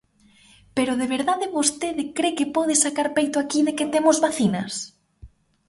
¡¿Pero de verdade vostede cre que pode sacar peito aquí de que temos vacinas?!